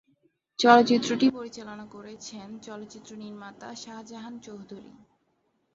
চলচ্চিত্রটি পরিচালনা করেছেন চলচ্চিত্র নির্মাতা শাহজাহান চৌধুরী।